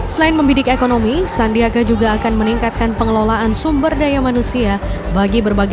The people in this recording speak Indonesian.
selain membidik ekonomi sandiaga juga akan meningkatkan pengelolaan sumber daya manusia